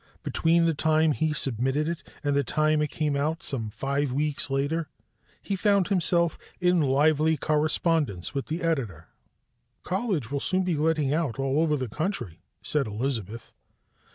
Between the time he submitted it and the time it came out some five weeks later, he found himself in lively correspondence with the editor. "College will soon be letting out all over the country," said Elizabeth.